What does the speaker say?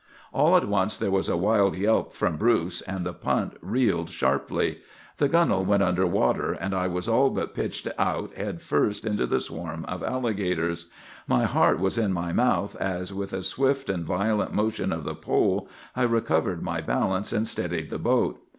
"All at once there was a wild yelp from Bruce, and the punt reeled sharply. The gunwale went under water, and I was all but pitched out head first into the swarm of alligators. My heart was in my mouth as, with a swift and violent motion of the pole, I recovered my balance, and steadied the boat.